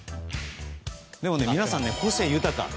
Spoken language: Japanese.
でも、皆さん個性豊か。